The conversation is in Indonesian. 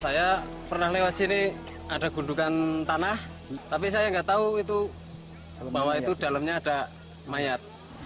saya pernah lewat sini ada gundukan tanah tapi saya nggak tahu itu bahwa itu dalamnya ada mayat